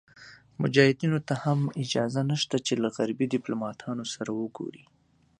مجاهدینو ته هم اجازه نشته چې له غربي دیپلوماتانو سره وګوري.